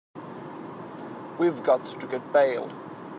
We've got to get bail.